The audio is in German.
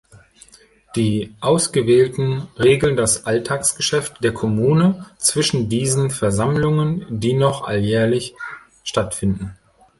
Die „Ausgewählten“ regeln das Alltagsgeschäft der Kommune zwischen diesen Versammlungen, die noch alljährlich stattfinden.